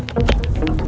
operasinya kayak gini